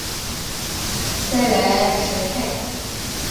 塞莱什泰。